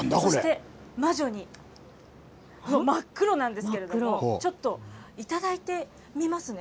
魔女に、そう、真っ黒なんですけれども、ちょっと、頂いてみますね。